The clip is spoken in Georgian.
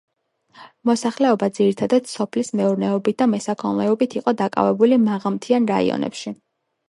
მოსახლეობა ძირითადად სოფლის მეურნეობით და მესაქონლეობით იყო დაკავებული მაღალმთიან რაიონებში.